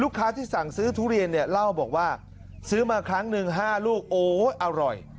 ค้าที่สั่งซื้อทุเรียนเนี่ยเล่าบอกว่าซื้อมาครั้งหนึ่ง๕ลูกโอ๊ยอร่อย